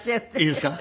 いいですか？